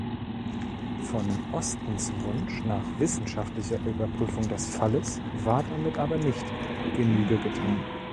Von Ostens Wunsch nach „wissenschaftlicher“ Überprüfung des Falles war damit aber nicht Genüge getan.